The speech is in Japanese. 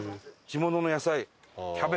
地物の野菜。